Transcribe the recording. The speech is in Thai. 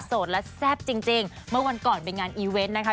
โสดและแซ่บจริงจริงเมื่อวันก่อนเป็นงานอีเวนต์นะคะ